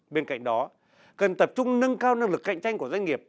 bên cạnh đó cần tập trung nâng cao năng lực cạnh tranh của doanh nghiệp